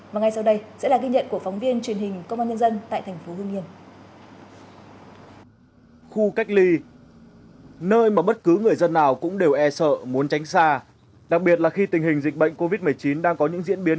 mà ngay sau đây sẽ là kinh nhận của phóng viên truyền hình công an nhân dân tại thành phố hương niên